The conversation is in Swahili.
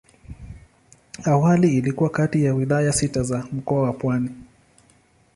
Awali ilikuwa kati ya wilaya sita za Mkoa wa Pwani.